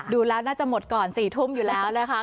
ดูแล้วน่าจะหมดก่อน๔ทุ่มอยู่แล้วนะคะ